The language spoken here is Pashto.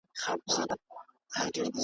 په وطن کي که پاچا که واکداران دي .